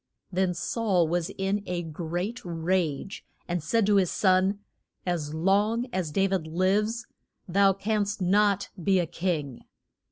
Then Saul was in a great rage, and said to his son, As long as Da vid lives thou canst not be a king.